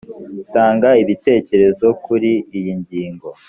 tanga ibitekerezo kuri iyi ngingo